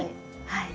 はい。